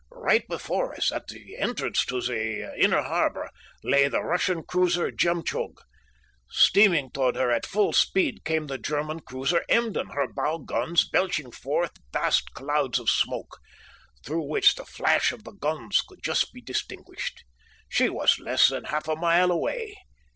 Right before us, at the entrance to the inner harbor, lay the Russian cruiser Jemtchug. Steaming toward her at full speed came the German cruiser Emden, her bow guns belching forth vast clouds of smoke, through which the flash of the guns could just be distinguished. She was less than half a mile away.